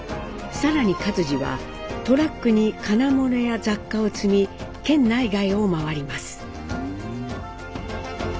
更に克爾はトラックに金物や雑貨を積み県内外を回ります。